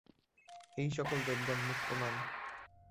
এই সকল দেবগণ মুক্ত নন।